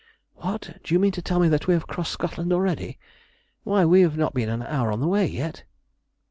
"What! Do you mean to tell me that we have crossed Scotland already? Why, we have not been an hour on the way yet!"